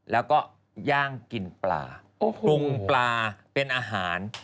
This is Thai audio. แล้วก็ย่างกินปลาปรุงปลาเป็นอาหาร